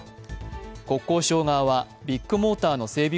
国交省側はビッグモーターの整備